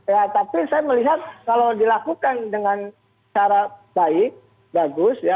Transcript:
ya tapi saya melihat kalau dilakukan dengan cara baik bagus ya